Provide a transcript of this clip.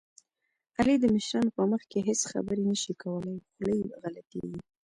علي د مشرانو په مخ کې هېڅ خبرې نه شي کولی، خوله یې غلطېږي.